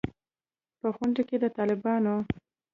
په غونډه کې د طالبانو